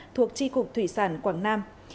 thuộc tri cục thủy sản quảng nam